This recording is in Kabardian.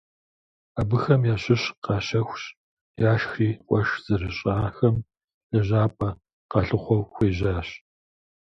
Абыхэм ящыщ къащэхущ, яшхри къуэш зэрыщӏахэм лэжьапӏэ къалъыхъуэу хуежьащ.